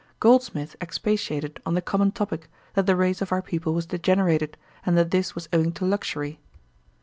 Goldsmith expatiated on the common topick, that the race of our people was degenerated, and that this was owing to luxury.